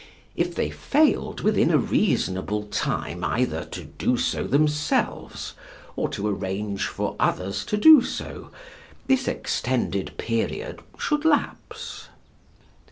If they failed within a reasonable time either to do so themselves or to arrange for others to do so, this extended period should lapse.